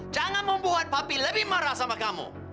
jangan membuat papi lebih marah sama kamu